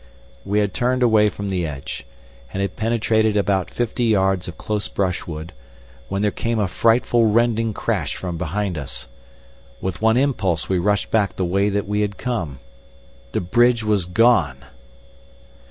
We had turned away from the edge, and had penetrated about fifty yards of close brushwood, when there came a frightful rending crash from behind us. With one impulse we rushed back the way that we had come. The bridge was gone!